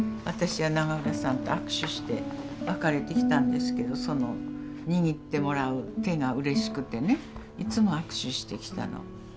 私は永浦さんと握手して別れてきたんですけどその握ってもらう手がうれしくてねいつも握手してきたの。